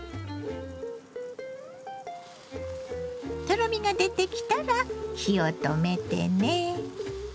とろみが出てきたら火を止めてね。